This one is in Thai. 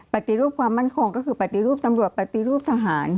ปฏิรูปความมั่นคงก็คือปฏิรูปตำรวจปฏิรูปทหาร